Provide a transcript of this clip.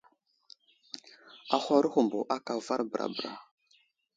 Ahwaro humbo aka avar bəra bəra.